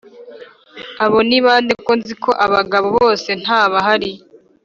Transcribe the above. abo nibande ko nziko abagabo bose ntabahari